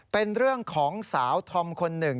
เป็นเรื่องของสาวธอมคนหนึ่ง